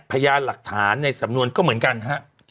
พยานหลักฐานในสำนวนก็เหมือนกันฮะ